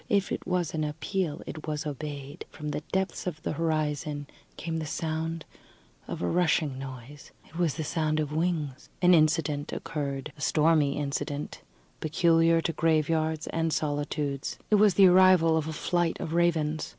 If it was an appeal, it was obeyed. From the depths of the horizon came the sound of a rushing noise. It was the noise of wings. An incident occurred, a stormy incident, peculiar to graveyards and solitudes. It was the arrival of a flight of ravens.